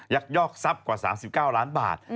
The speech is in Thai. ยักยอกทรัพย์กว่า๓๙ล้านบาท